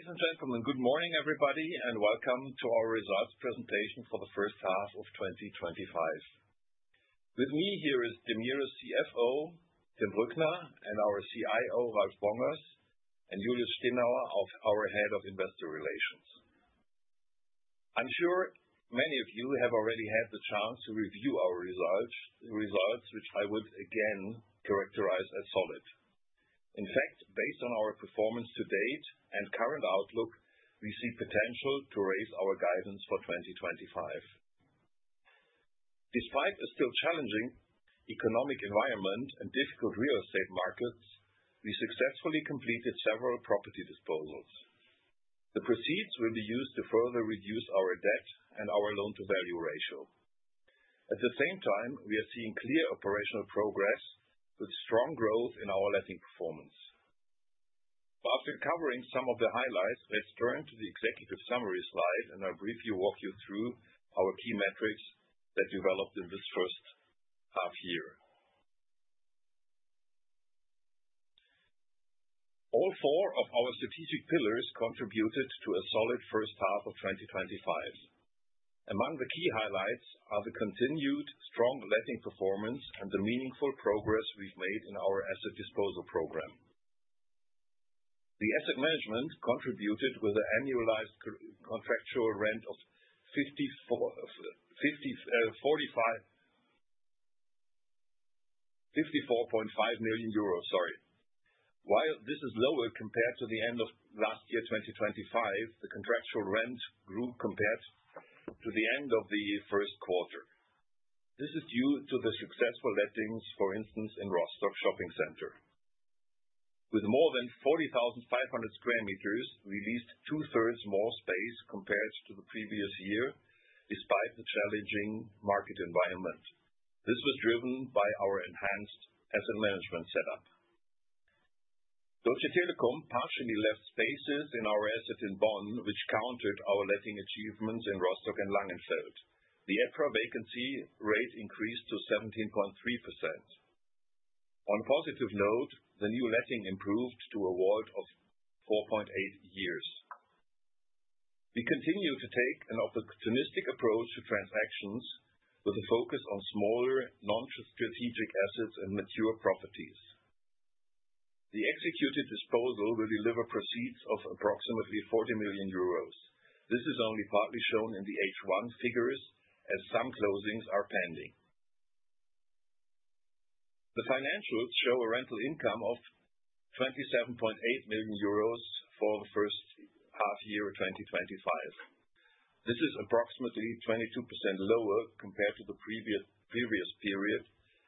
Ladies and gentlemen, good morning everybody, and welcome to our results presentation for the first half of 2025. With me here is DEMIRE's CFO, Tim Brückner, and our CIO, Ralf Bongers, and Julius Zinnauer, our Head of Investor Relations. I'm sure many of you have already had the chance to review our results, results which I would again characterize as solid. In fact, based on our performance to date and current outlook, we see potential to raise our guidance for 2025. Despite a still challenging economic environment and difficult real estate markets, we successfully completed several property disposals. The proceeds will be used to further reduce our debt and our loan-to-value ratio. At the same time, we are seeing clear operational progress with strong growth in our letting performance. After covering some of the highlights, let's turn to the executive summary slide and I'll briefly walk you through our key metrics that developed in this first half year. All four of our strategic pillars contributed to a solid first half of 2025. Among the key highlights are the continued strong letting performance and the meaningful progress we've made in our asset disposal program. The asset management contributed with an annualized contractual rent of €54.5 million, sorry. While this is lower compared to the end of last year 2025, the contractual rent grew compared to the end of the first quarter. This is due to the successful lettings, for instance, in Rostock Shopping Center. With more than 40,500 sq m, we leased 2/3 more space compared to the previous year, despite the challenging market environment. This was driven by our enhanced asset management setup. Deutsche Telekom partially left spaces in our asset in Bonn, which countered our letting achievements in Rostock and Langenfeld. The EPRA vacancy rate increased to 17.3%. On a positive note, the new letting improved to a WALT of 4.8 years. We continue to take an opportunistic approach to transactions with a focus on smaller non-strategic assets and mature properties. The executed disposal will deliver proceeds of approximately €40 million. This is only partly shown in the H1 figures, and some closings are pending. The financials show a rental income of €27.8 million for the first half year of 2025. This is approximately 22% lower compared to the previous period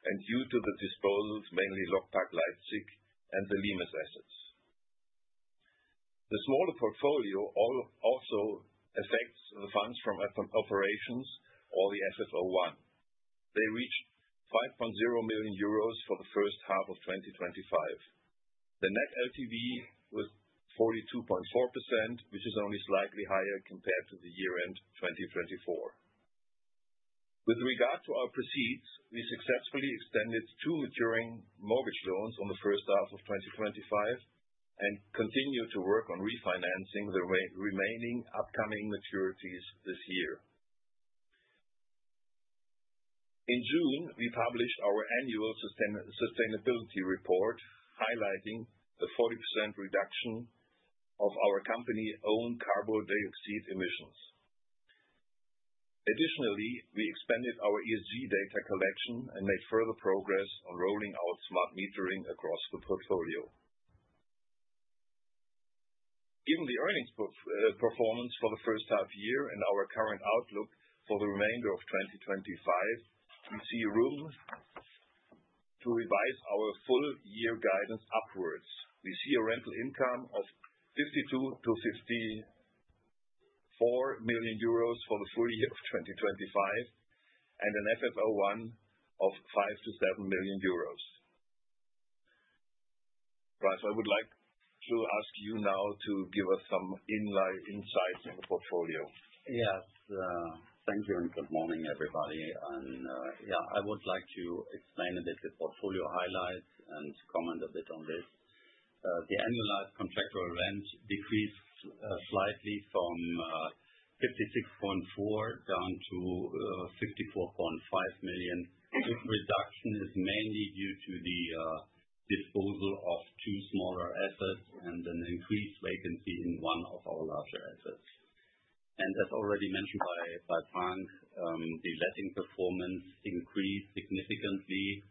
and due to the disposals mainly Langenfeld, Leipzig, and the LIMES assets. The smaller portfolio also affects the funds from operations or the FFO1. They reach €5.0 million for the first half of 2025. The net LTV was 42.4%, which is only slightly higher compared to the year-end 2024. With regard to our proceeds, we successfully extended two maturing mortgage loans in the first half of 2025 and continue to work on refinancing the remaining upcoming maturities this year. In June, we published our annual sustainability report highlighting the 40% reduction of our company-owned carbon dioxide emissions. Additionally, we expanded our ESG data collection and made further progress on rolling out smart metering across the portfolio. Given the earnings performance for the first half year and our current outlook for the remainder of 2025, we see room to revise our full-year guidance upwards. We see a rental income of €52 million-€64 million for the full year of 2025 and an FFO1 of €5 million-€7 million. Ralf, I would like to ask you now to give us some insights on the portfolio. Yes, thank you. Good morning, everybody. I would like to explain a bit the portfolio highlights and comment a bit on this. The annualized contractual rent decreased slightly from €56.4 million down to €54.5 million. The reduction is mainly due to the disposal of two smaller assets and an increased vacancy in one of our larger assets. As already mentioned by Frank, the letting performance increased significantly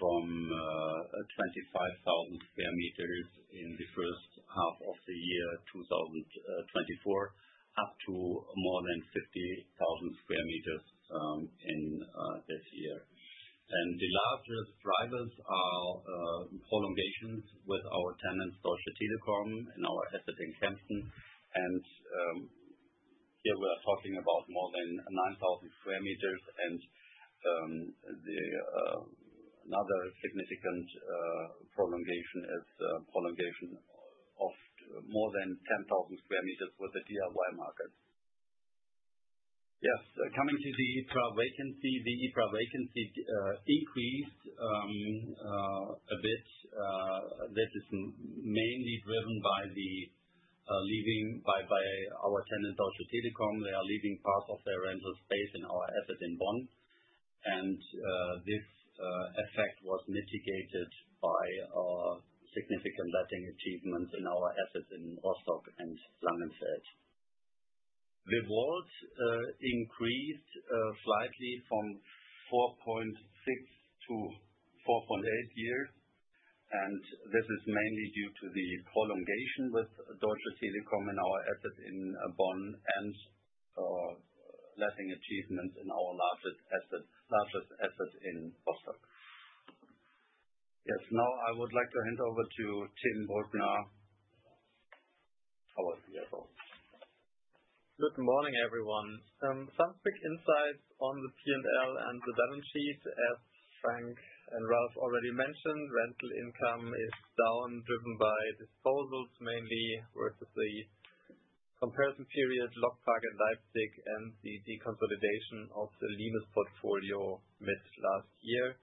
from 25,000 sq m in the first half of the year 2024 up to more than 50,000 sq m in this year. The largest drivers are prolongations with our tenants Deutsche Telekom and our asset in Kempten. Here we're talking about more than 9,000 sq m. Another significant prolongation is a prolongation of more than 10,000 sq m with the DIY markets. Yes, coming to the EPRA vacancy, the EPRA vacancy increased a bit. That is mainly driven by the leaving by our tenant Deutsche Telekom. They are leaving part of their rental space in our asset in Bonn. This effect was mitigated by our significant letting achievements in our assets in Rostock and Langenfeld. The WALTs increased slightly from 4.6-4.8 years. This is mainly due to the prolongation with Deutsche Telekom in our asset in Bonn and letting achievements in our largest asset in Rostock. Yes, now I would like to hand over to Tim Brückner, our CFO. Good morning, everyone. Some quick insights on the P&L and the balance sheet. As Frank and Ralf already mentioned, rental income is down driven by disposals, mainly with the comparison period looked back in Leipzig and the deconsolidation of the LIMES portfolio mid-last year.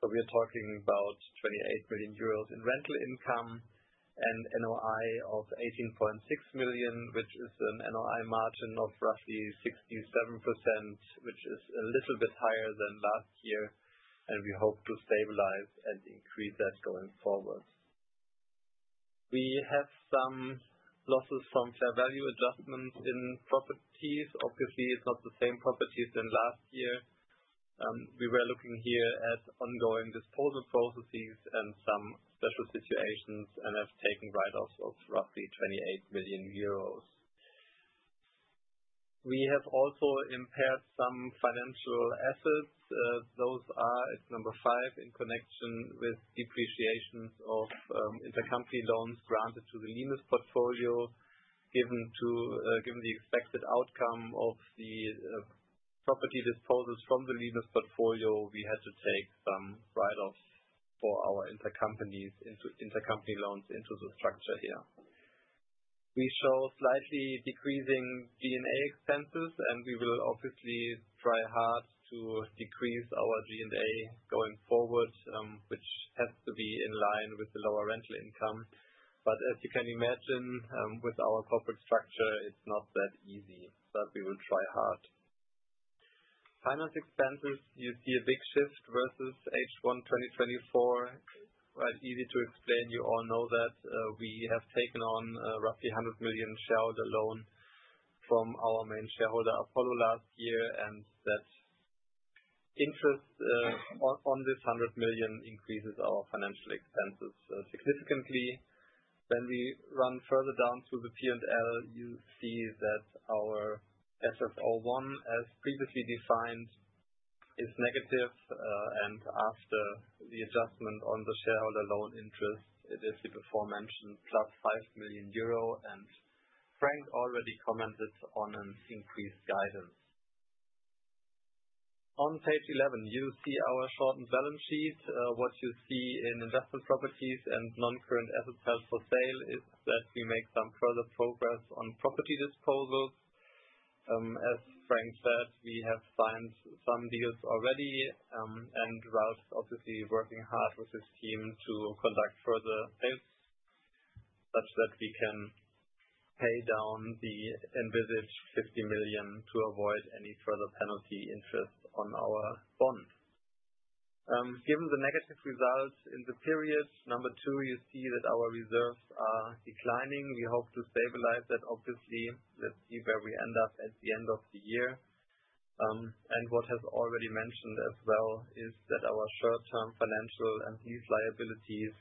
We are talking about €28 million in rental income and an NOI of €18.6 million, which is an NOI margin of roughly 67%, which is a little bit higher than last year. We hope to stabilize and increase that going forward. We have some losses from fair value adjustments in properties. Obviously, it's not the same properties as last year. We were looking here at ongoing disposal processes and some special situations and have taken write-offs of roughly €28 million. We have also impaired some financial assets. Those are at number five in connection with depreciations of intercompany loans granted to the LIMES portfolio. Given the expected outcome of the property disposals from the LIMES portfolio, we had to take some write-offs for our intercompany loans into the structure here. We show slightly decreasing D&A expenses, and we will obviously try hard to decrease our D&A going forward, which has to be in line with the lower rental income. As you can imagine, with our corporate structure, it's not that easy, but we will try hard. Finance expenses, you see a big shift versus H1 2024. Quite easy to explain. You all know that we have taken on a roughly €100 million shareholder loan from our main shareholder, Apollo, last year, and that interest on this €100 million increases our financial expenses significantly. When we run further down through the P&L, you see that our FFO1, as previously defined, is negative. After the adjustment on the shareholder loan interest, it is the before-mentioned +€5 million. Frank already commented on an increased guidance. On page 11, you see our shortened balance sheet. What you see in investment properties and non-current assets held for sale is that we make some further progress on property disposals. As Frank said, we have signed some deals already, and Ralf is obviously working hard with his team to conduct further sales such that we can pay down the envisaged €50 million to avoid any further penalty interest on our bond. Given the negative result in the period, number two, you see that our reserves are declining. We hope to stabilize that, obviously, let's see where we end up at the end of the year. What has already been mentioned as well is that our third-term financial and these liabilities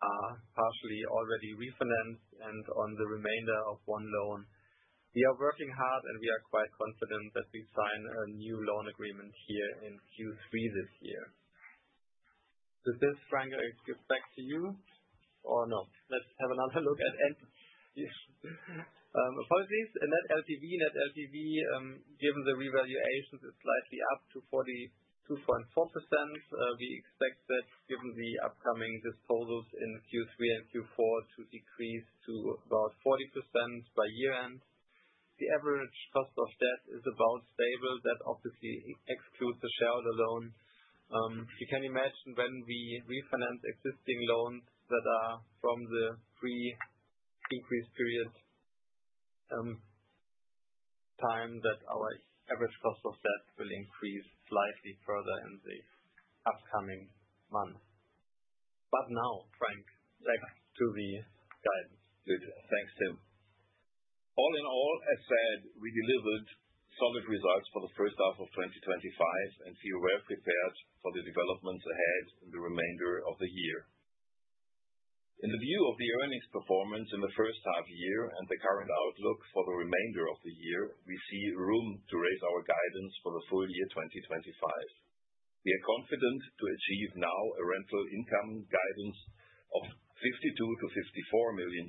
are partially already refinanced and on the remainder of one loan. We are working hard, and we are quite confident that we sign a new loan agreement here in Q3 this year. Does this, Frank, reflect to you or no? Let's have another look at net LTV. Net LTV, given the revaluations, is slightly up to 42.4%. We expect that, given the upcoming disposals in Q3 and Q4, to decrease to about 40% by year-end. The average cost of debt is about stable. That obviously excludes the shareholder loan. You can imagine when we refinance existing loans that are from the pre-increase period time that our average cost of debt will increase slightly further in the upcoming months. Now, Frank, back to the guidance. Thanks, Tim. All in all, as said, we delivered solid results for the first half of 2025, and we were prepared for the developments ahead in the remainder of the year. In the view of the earnings performance in the first half year and the current outlook for the remainder of the year, we see room to raise our guidance for the full year 2025. We are confident to achieve now a rental income guidance of €52 million-€54 million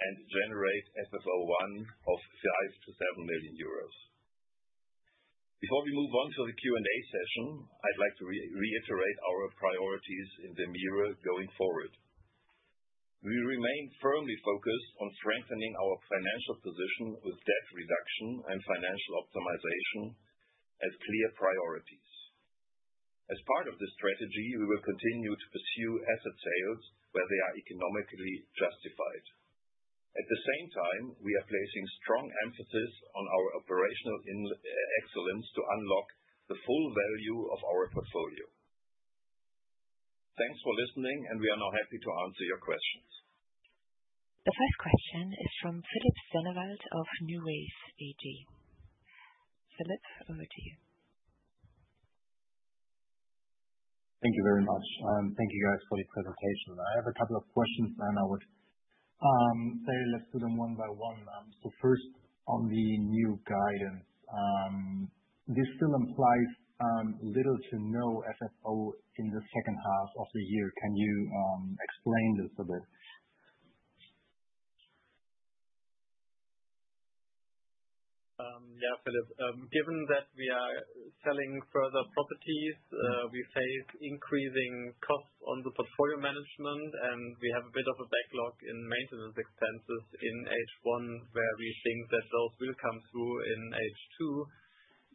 and generate FFO1 of €5 million-€7 million. Before we move on to the Q&A session, I'd like to reiterate our priorities in DEMIRE going forward. We remain firmly focused on strengthening our financial position with debt reduction and financial optimization as clear priorities. As part of this strategy, we will continue to pursue asset sales where they are economically justified. At the same time, we are placing strong emphasis on our operational excellence to unlock the full value of our portfolio. Thanks for listening, and we are now happy to answer your questions. The first question is from Philipp Sennewald of NuWays AG. Phillip, over to you. Thank you very much. Thank you guys for the presentation. I have a couple of questions. I would say let's do them one by one. First, on the new guidance, this really implies little to no FFO in the second half of the year. Can you ground this a bit? Yeah, Philip. Given that we are selling further properties, we face increasing costs on the portfolio management, and we have a bit of a backlog in maintenance expenses in H1, where we think that those will come through in H2.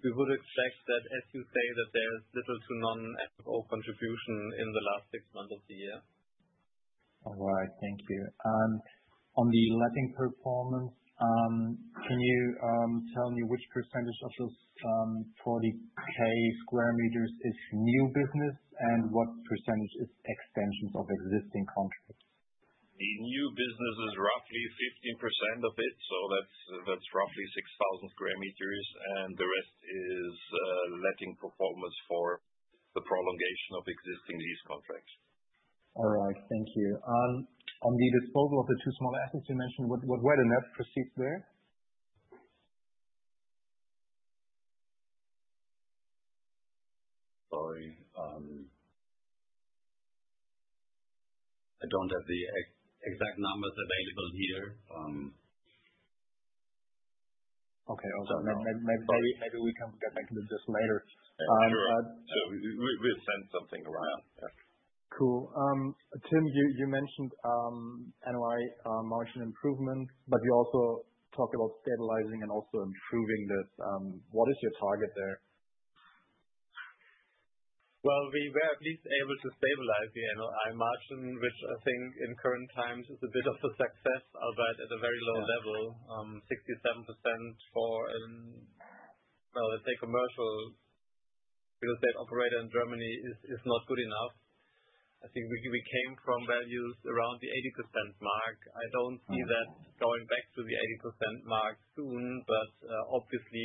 We would expect that, as you say, that there's little to no FFO contribution in the last six months of the year. All right. Thank you. On the letting performance, can you tell me which percentage of those 40,000 sq m is new business and what percentage is extensions of existing contracts? The new business is roughly 15% of it, that's roughly 6,000 sq m. The rest is letting performance for the prolongation of existing lease contracts. All right. Thank you. On the disposal of the two smaller assets you mentioned, what were the net proceeds there? Sorry, I don't have the exact numbers available here. Okay, I'll do that. Maybe we can get back to this later. Sure, we'll send something along. Cool. Tim, you mentioned NOI margin improvements, but you also talked about stabilizing and also improving this. What is your target there? At least we were able to stabilize the NOI margin, which I think in current times is a bit of a success, but at a very low level, 67% for, let's say, commercials because that operator in Germany is not good enough. I think we came from values around the 80% mark. I don't see that going back to the 80% mark soon, but obviously,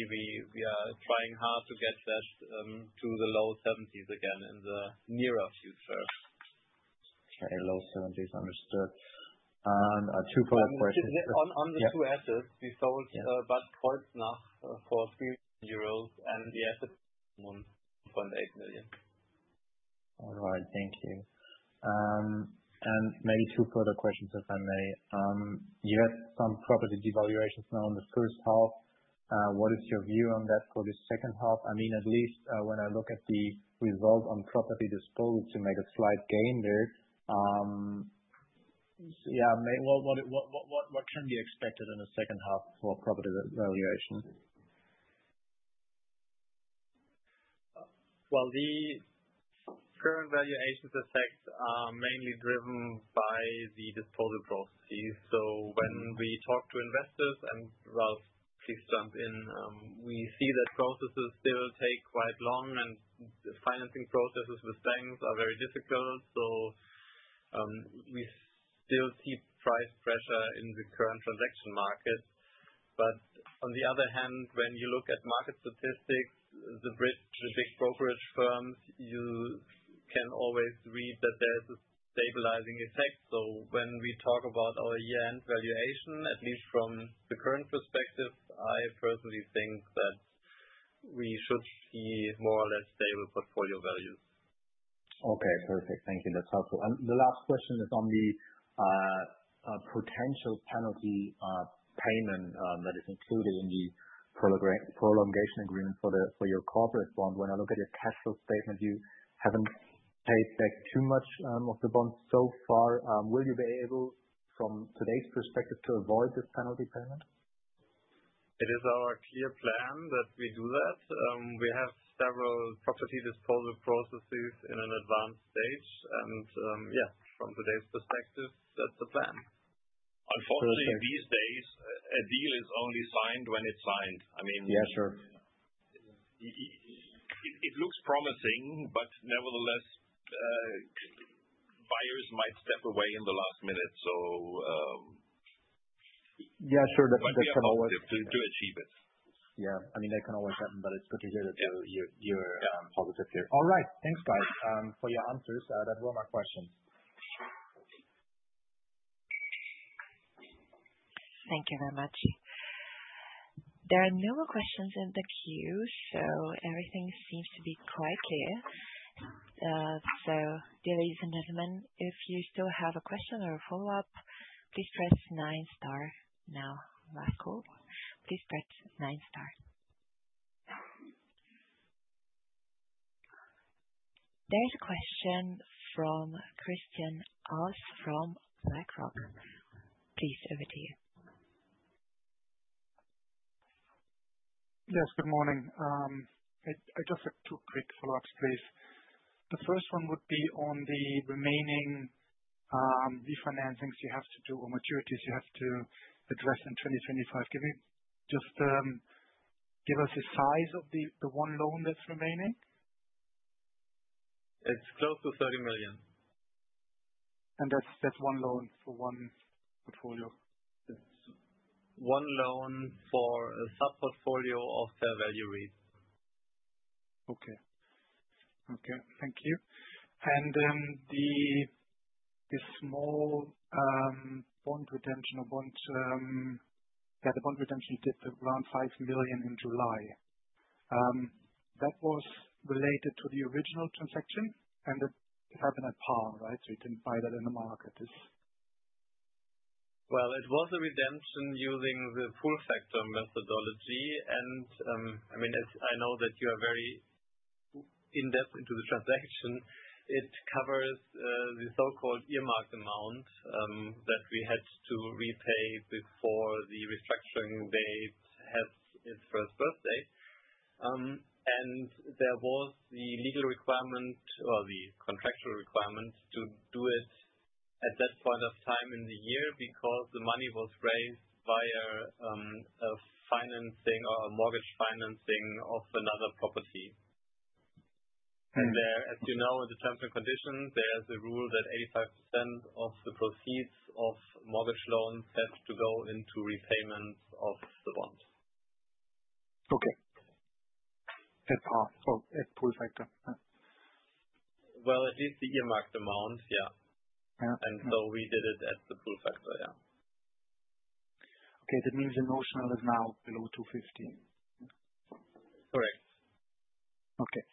we are trying hard to get that to the low 70s again in the nearer future. Okay, low 70s, understood. Two further questions. On the two assets, we sold Bad Kreuznach for €3 million and the assets at €1.8 million. All right. Thank you. Maybe two further questions, if I may. You had some property devaluations now in the first half. What is your view on that for the second half? I mean, at least when I look at the results on property disposals, you make a slight gain there. What can be expected in the second half for property valuation? The current valuation effects are mainly driven by the disposal processes. When we talk to investors, and Ralf, please jump in, we see that processes still take quite long and the financing processes with banks are very difficult. We still see price pressure in the current transaction markets. On the other hand, when you look at market statistics, the big brokerage firms, you can always read that there's a stabilizing effect. When we talk about our year-end valuation, at least from the current perspective, I personally think that we should see more or less stable portfolio values. Okay. Perfect. Thank you. That's helpful. The last question is on the potential penalty payment that is included in the prolongation agreement for your corporate bond. When I look at your cash flow statement, you haven't paid back too much of the bond so far. Will you be able, from today's perspective, to avoid this penalty payment? It is our clear plan that we do that. We have several property disposal processes in an advanced stage. From today's perspective, that's the plan. Unfortunately, these days, a deal is only signed when it's signed. I mean, yeah, sure, it looks promising, but nevertheless, buyers might step away in the last minute. Yeah, sure, that can always happen. You can achieve it. I mean, that can always happen, but it's good to hear that you're positive here. All right. Thanks, guys, for your answers. That was my question. Thank you very much. There are no more questions in the queue, everything seems to be quite clear. DEMIRE is in the middle. If you still have a question or a follow-up, please press nine, Star. Last call. Please press nine, Star. There is a question from Christian Aus, BlackRock. Please, over to you. Yes, good morning. I just have two quick follow-ups, please. The first one would be on the remaining refinancings you have to do or maturities you have to address in 2025. Can you just give us the size of the one loan that's remaining? It's close to €30 million. That's just one loan for one portfolio? It's one loan for a sub-portfolio of fair value REITs. Okay. Thank you. The small bond redemption, or bond, yeah, the bond redemption is just around €5 million in July. That was related to the original transaction, and it happened at par, right? You can buy that in the market. It was a redemption using the pool factor methodology. As I know that you are very in-depth into the transaction, it covers the so-called earmarked amount that we had to repay before the restructuring date has its first birthday. There was the legal requirement or the contractual requirement to do it at that point of time in the year because the money was raised via a financing or a mortgage financing of another property. As you know, in the terms and conditions, there's a rule that 85% of the proceeds of mortgage loans have to go into repayments of the bonds. Okay. At par, so at pool factor. At least the earmarked amount, yeah. Yeah, we did it at the pool factor, yeah. Okay, that means the notional is now below €250 million? Correct. Okay,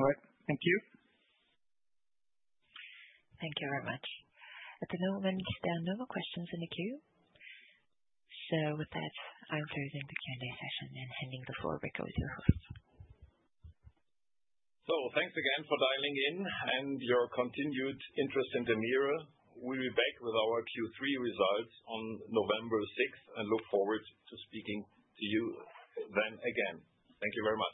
all right. Thank you. Thank you very much. At the moment, there are no more questions in the queue. With that, I'm closing the Q&A session and handing the floor back over to. Thank you again for dialing in and your continued interest in DEMIRE. We'll be back with our Q3 results on November 6th and look forward to speaking to you then again. Thank you very much.